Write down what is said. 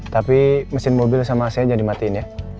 tapi mesin mobil sama ac nya dimatiin ya